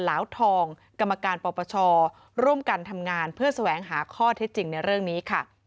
เหลาทองกรรมการปปชร่วมกันทำงานเพื่อแสวงหาข้อเท็จจริงในเรื่องนี้ค่ะ